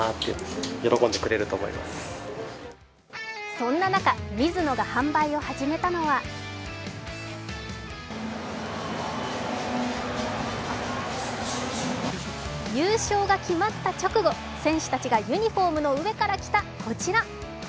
そんな中、ミズノが販売を始めたのは優勝が決まった直後、選手たちがユニフォームの上から着たこちら。